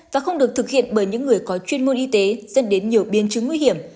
và không được thực hiện bởi những người có chuyên môn y tế dẫn đến nhiều biến chứng nguy hiểm